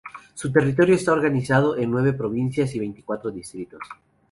Su territorio está organizado en nueve provincias y veinticuatro distritos.